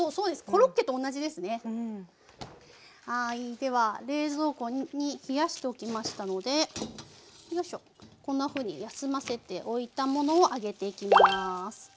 では冷蔵庫に冷やしておきましたのでこんなふうに休ませておいたものを揚げていきます。